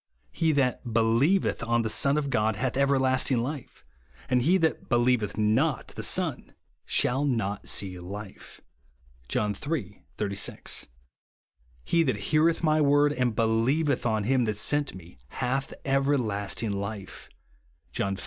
He that believeth on the Son hath ever lasting life, and he that believeth not the Son shall not see life," (John iii. 36). " He that heareth my word, and believeth on him that sent me, hath everlasting life," (John V.